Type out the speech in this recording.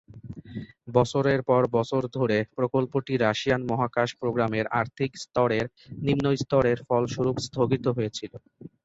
বছরের পর বছর ধরে, প্রকল্পটি রাশিয়ান মহাকাশ প্রোগ্রামের আর্থিক স্তরের নিম্ন স্তরের ফলস্বরূপ স্থগিত হয়েছিল।